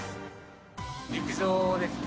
陸上ですね。